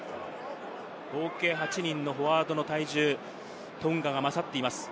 合計８人のフォワードの多重はトンガが勝っています。